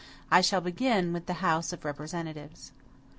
I shall begin with the House of Representatives.